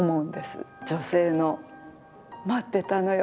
女性の「待ってたのよ